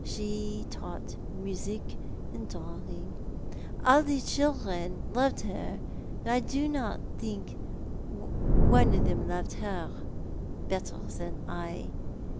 She taught music and drawing. All the children loved her, but I don't think one of them loved her better than I.